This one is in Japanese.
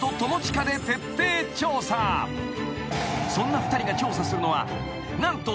［そんな２人が調査するのは何と］